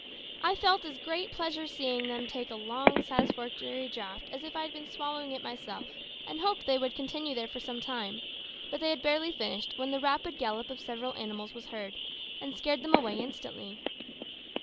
I felt as great pleasure in seeing them take a long, satisfactory draught as if I had been swallowing it myself, and hoped they would continue there for some time; but they had barely finished when the rapid gallop of several animals was heard, and scared them away instantly.